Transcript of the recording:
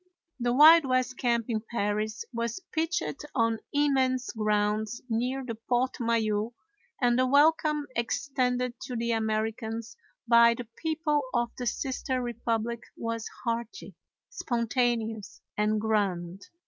The Wild West camp in Paris was pitched on immense grounds near the Porte Maillot, and the welcome extended to the Americans by the people of the sister republic was hearty, spontaneous, and grand.